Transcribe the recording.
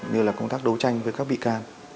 như là công tác đấu tranh với các bị can